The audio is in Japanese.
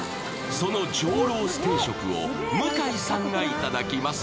その上ロース定食を向井さんが頂きます。